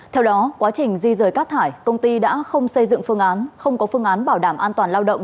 theo đó quá trình di rời cát thải công ty đã không xây dựng phương án không có phương án bảo đảm an toàn lao động